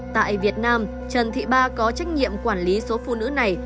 tại việt nam trần thị ba có trách nhiệm quản lý số phụ nữ này